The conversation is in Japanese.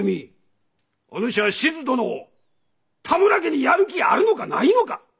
お主は志津殿を多村家にやる気あるのかないのか！